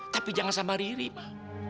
tapi jangan sama riri ma